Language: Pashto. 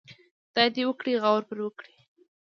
خدای دې وکړي غور پرې وکړي.